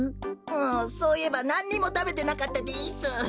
おそういえばなんにもたべてなかったです。